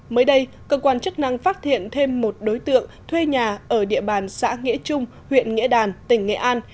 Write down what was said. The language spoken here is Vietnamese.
mới đây cơ quan chức năng phát hiện thêm một đối tượng thuê nhà ở địa bàn xã nghĩa trung huyện nghĩa đàn tỉnh nghệ an